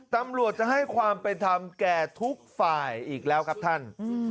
ตำรวจจะให้ความเป็นธรรมแก่ทุกฝ่ายอีกแล้วครับท่าน